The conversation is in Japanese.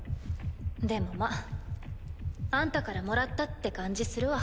でもまっあんたからもらったって感じするわ。